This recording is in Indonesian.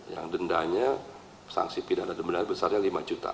yang dendanya sanksi pidana benar benar besarnya lima juta